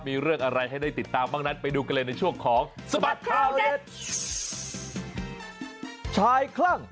มีเรื่องอะไรให้ได้ติดตามนั้นไปดูกันเลยในช่วงของ